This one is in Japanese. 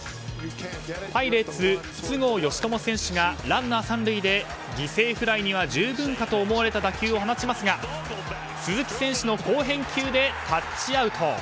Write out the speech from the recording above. パイレーツ筒香嘉智選手がランナー３塁で犠牲フライには十分かと思われた打球を放ちますが鈴木選手の好返球でタッチアウト！